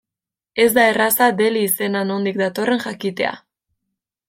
Ez da erraza Delhi izena nondik datorren jakitea.